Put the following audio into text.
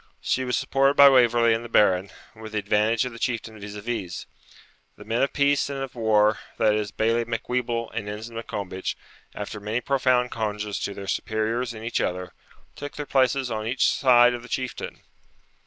She was supported by Waverley and the Baron, with the advantage of the Chieftain vis a vis. The men of peace and of war, that is, Bailie Macwheeble and Ensign Maccombich, after many profound conges to their superiors and each other, took their places on each side of the Chieftain.